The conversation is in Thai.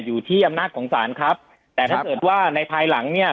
อยู่ที่อำนาจของศาลครับแต่ถ้าเกิดว่าในภายหลังเนี่ย